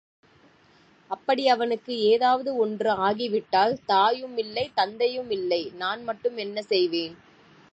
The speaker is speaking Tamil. அப்படி அவனுக்கு ஏதாவது ஒன்று ஆகிவிட்டால், தாயும் இல்லை, தந்தையுமில்லை நான் மட்டும் என்ன செய்வேன்?